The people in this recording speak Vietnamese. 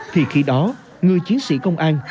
thì khi đó người chiến sĩ công an